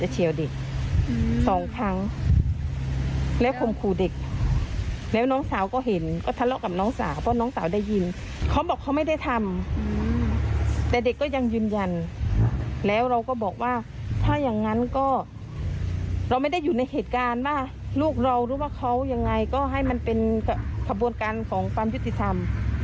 แต่เด็กก็ยังยืนยันแล้วเราก็บอกว่าถ้าอย่างนั้นก็เราไม่ได้อยู่ในเหตุการณ์ว่าลูกเราหรือว่าเขายังไงก็ให้มันเป็นขบวนการของความยุติธรรม